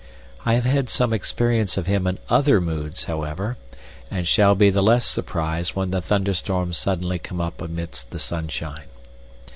I have had some experience of him in other moods, however, and shall be the less surprised when the thunderstorms suddenly come up amidst the sunshine.